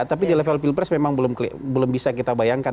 tapi di level pilpres memang belum bisa kita bayangkan